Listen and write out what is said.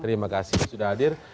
terima kasih sudah hadir